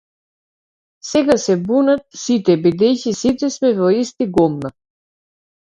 Сега се бунат сите бидејќи сите сме во исти гомна.